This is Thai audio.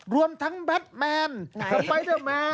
รวมทั้งแบทแมนสไปเดอร์แมน